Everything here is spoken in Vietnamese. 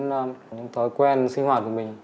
những thói quen sinh hoạt của mình